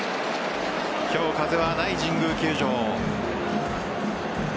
今日、風はない神宮球場。